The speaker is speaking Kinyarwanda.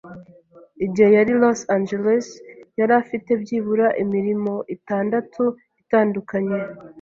Igihe yari i Los Angeles, yari afite byibura imirimo itandatu itandukanye.